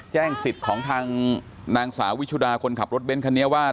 สิทธิ์ของทางนางสาววิชุดาคนขับรถเบ้นคันนี้ว่า